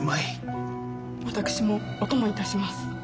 私もお供いたします。